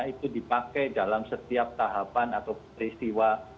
itu dipakai dalam setiap tahapan atau peristiwa